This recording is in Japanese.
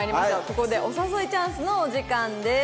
ここでお誘いチャンスのお時間です。